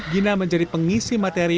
gina menjadi pengisi materi